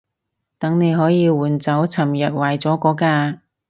等你可以換走尋日壞咗嗰架